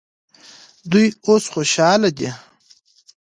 دوی اوس خوشحاله دي.